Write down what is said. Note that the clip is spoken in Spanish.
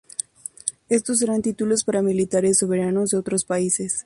Estos eran títulos para militares soberanos de otros países.